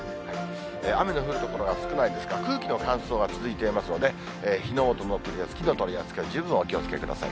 雨の降る所は少ないですが、空気の乾燥が続いてきますので、火の元、火の取り扱いに十分お気をつけください。